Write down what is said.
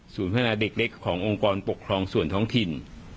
พัฒนาเด็กเล็กขององค์กรปกครองส่วนท้องถิ่น